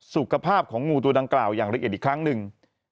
สุขภาพของงูตัวดังกล่าวอย่างละเอียดอีกครั้งหนึ่ง